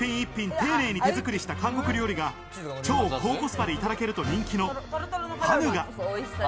丁寧に手づくりした韓国料理が超高コスパでいただけると人気のハヌガ。